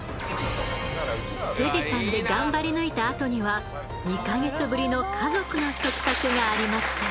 富士山で頑張り抜いたあとには２ヵ月ぶりの家族の食卓がありました。